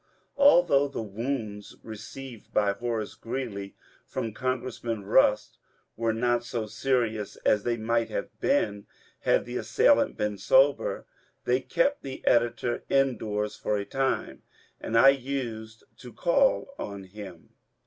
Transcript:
Although the wounds received by Horace Greeley from Congressman Bust were not so serious as they might have been had the assailant been sober, they kept the editor in doors for a time, and I used to call on him.